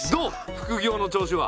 副業の調子は？